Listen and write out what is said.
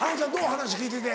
話聞いてて。